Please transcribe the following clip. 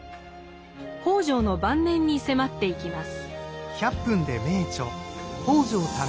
北條の晩年に迫っていきます。